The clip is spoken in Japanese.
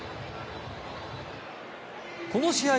この試合